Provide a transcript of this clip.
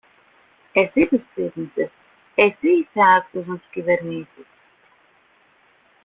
Εσύ τους ξύπνησες, εσύ είσαι άξιος να τους κυβερνήσεις!